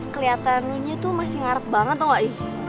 keliatan lo masih ngarep banget tau gak